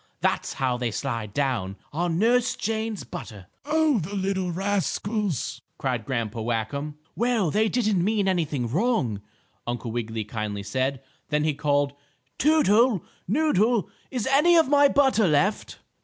That's how they slide down on Nurse Jane's butter." "Oh, the little rascals!" cried Grandpa Whackum. "Well, they didn't mean anything wrong," Uncle Wiggily kindly said. Then he called; "Toodle! Noodle! Is any of my butter left?"